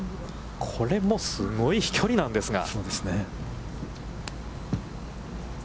これもすごい飛距離なんですが。